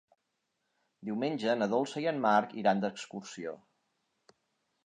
Diumenge na Dolça i en Marc iran d'excursió.